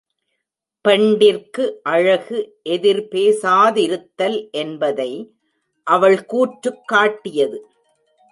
பெண்டிர்க்கு அழகு எதிர்பேசாதிருத்தல் என்பதை அவள் கூற்றுக் காட்டியது.